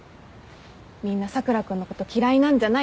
みんな佐倉君のこと嫌いなんじゃないの。